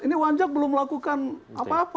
ini wanjak belum melakukan apa apa loh